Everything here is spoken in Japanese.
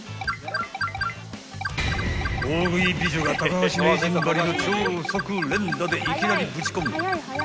［大食い美女が高橋名人ばりの超速連打でいきなりぶち込む］